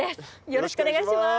よろしくお願いします。